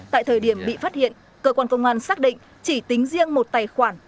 tại thời điểm bị phát hiện cơ quan công an xác định chỉ tính riêng một tài khoản